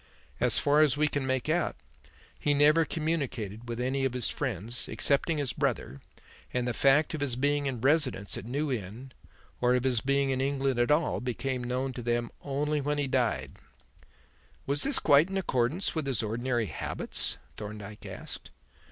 As far as we can make out, he never communicated with any of his friends, excepting his brother, and the fact of his being in residence at New Inn or of his being in England at all became known to them only when he died." "Was this quite in accordance with his ordinary habits?" Thorndyke asked.